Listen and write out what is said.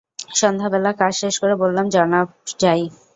সন্ধ্যাবেলা কাজ শেষ করে বললাম, জনাব যাই।